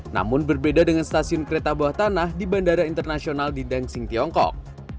namun berbeda dengan stasiun kereta bawah tanah di bandara internasional di dengxing tiongkok